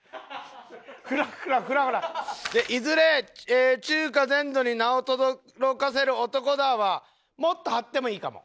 「いずれ中華全土に名を轟かせる男だ！」はもっと張ってもいいかも。